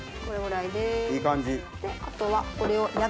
いい感じ。